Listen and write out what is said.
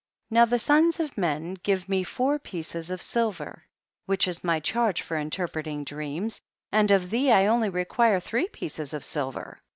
32. Now the sons of men give me four pieces of silver, which is my charge for interpreting dreams, and of thee only I require three pieces of silver.